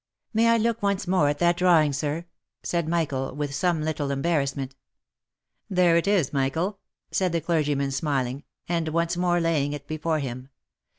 " May I look once more at that drawing, sir?" said Michael, with some little embarrassment. '« There it is, Michael," said the clergyman smiling, and once more laying it before him.